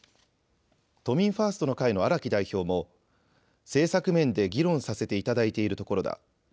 都民ファーストの会の荒木代表も政策面で議論させていただいているところだ。